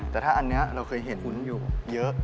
แต่ถ้าอันนี้เราเคยเห็นวุ้นอยู่เยอะ